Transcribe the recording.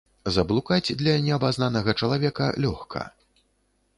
Заблукаць для неабазнанага чалавека лёгка.